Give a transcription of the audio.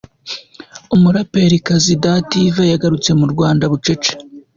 Umuraperikazi Dativa yagarutse mu Rwanda bucece